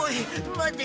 待て！